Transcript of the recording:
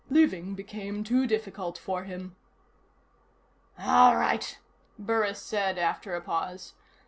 Living became too difficult for him." "All right," Burris said after a pause.